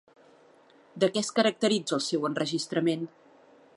De què es caracteritza el seu enregistrament?